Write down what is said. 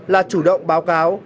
là chủ động báo cáo